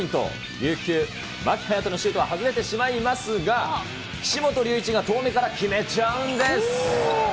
琉球、牧隼利のシュートは外れてしまいますが、岸本隆一が遠めから決めちゃうんです。